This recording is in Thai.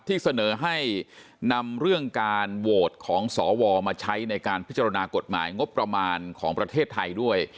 ที่เสนอให้นำเรื่องการโหวตของสวมาใช้ในการพิจารณากฎหมายงบประมาณของประเทศไทยด้วย